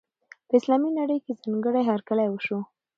په اسلامي نړۍ کې یې ځانګړی هرکلی وشو.